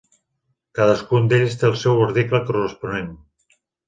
Cadascun d'ells té el seu article corresponent.